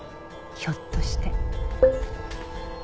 ひょっとして。